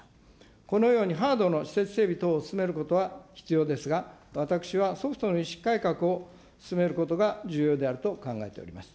このようにハードの施設整備等を進めることは必要ですが、私はソフトの意識改革を進めることが重要であると考えております。